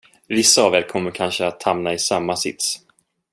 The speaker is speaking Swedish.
Vissa av er kommer kanske att hamna i samma sits.